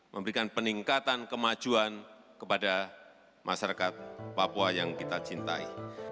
memberikan peningkatan kemajuan kepada masyarakat papua yang kita cintai